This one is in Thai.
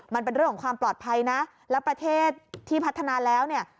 มันเป็นเรื่องของความปลอดภัยนะแล้วประเทศที่พัฒนาแล้วเนี่ย